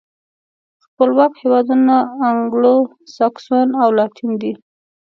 خپلواک هېوادونه انګلو ساکسوسن او لاتین دي.